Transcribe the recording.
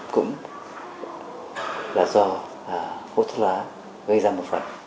cũng là do hút thuốc lá gây ra một phần